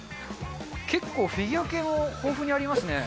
結構フィギュア系も豊富にありますね。